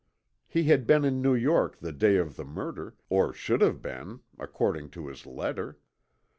He had been in New York the day of the murder, or should have been, according to his letter.